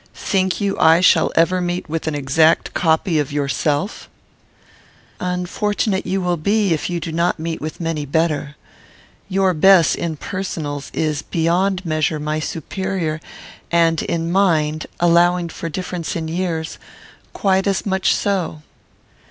Think you I shall ever meet with an exact copy of yourself?" "Unfortunate you will be, if you do not meet with many better. Your Bess, in personals, is, beyond measure, my superior, and in mind, allowing for difference in years, quite as much so."